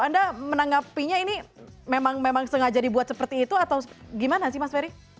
anda menanggapinya ini memang sengaja dibuat seperti itu atau gimana sih mas ferry